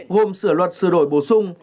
gồm sửa luật sửa đổi bổ sung